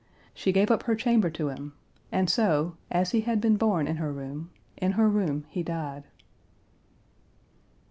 She gave up her chamber to him, and so, as he had been born in her room, in her room he died.